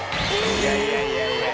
いやいやいやいや。